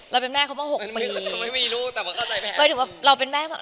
เราเป็นแม่เขามา๖ปี